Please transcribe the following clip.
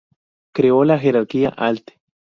Creó la jerarquía alt.